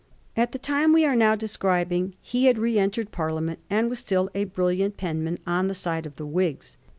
At the time we are now describing he had re entered Parliament, and was still a brilliant penman on the side of the Whigs.